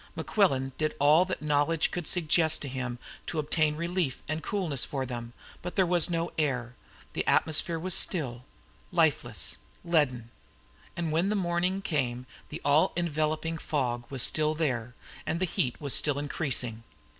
Mequillen did all that knowledge could suggest to him to obtain relief and coolness for them, but there was no air the atmosphere was still, lifeless, leaden. And when the morning came the all enveloping fog was still there, and the heat was still increasing.